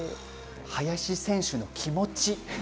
林選手の気持ち。